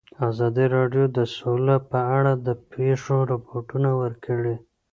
ازادي راډیو د سوله په اړه د پېښو رپوټونه ورکړي.